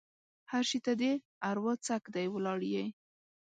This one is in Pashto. هر شي ته دې اروا څک دی؛ ولاړ يې.